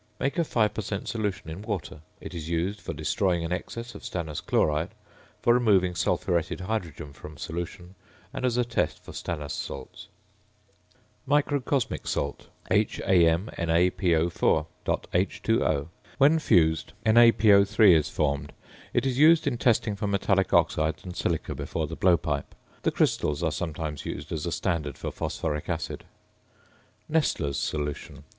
Make a 5 per cent. solution in water. It is used for destroying an excess of stannous chloride; for removing sulphuretted hydrogen from solution; and as a test for stannous salts. ~Microcosmic Salt~, HAmNaPO_.8H_O. When fused NaPO_ is formed. It is used in testing for metallic oxides and silica before the blowpipe. The crystals are sometimes used as a standard for phosphoric acid. "~Nessler's Solution.